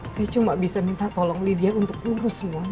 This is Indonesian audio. saya cuma bisa minta tolong lydia untuk ngurus semuanya